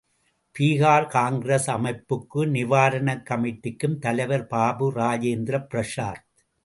பீகார் காங்கிரஸ் அமைப்புக்கும் நிவாரணக் கமிட்டிக்கும் தலைவர் பாபு இராஜேந்திர பிரசாத்.